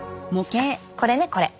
あっこれねこれ。